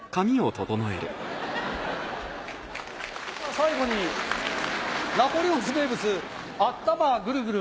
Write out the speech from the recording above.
最後にナポレオンズ名物「頭グルグル」